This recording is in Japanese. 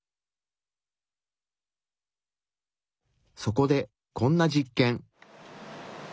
そこでこんな実験。